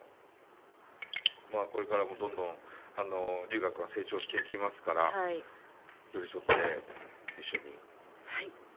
まあこれからもどんどんリュウガ君は成長していきますから寄り添って一緒に。